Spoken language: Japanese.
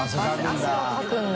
汗をかくんだ。